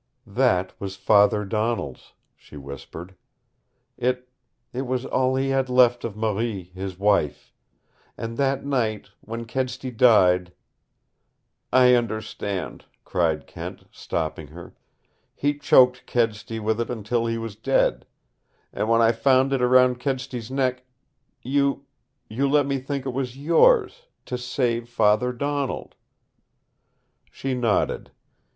"That was father Donald's," she whispered. "It it was all he had left of Marie, his wife. And that night when Kedsty died " "I understand," cried Kent, stopping her. "He choked Kedsty with it until he was dead. And when I found it around Kedsty's neck you you let me think it was yours to save father Donald!" She nodded.